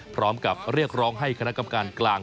พร้อมกับเรียกร้องให้คณะกรรมการกลาง